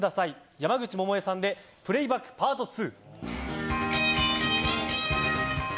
山口百恵さんで「プレイバックＰａｒｔ２」。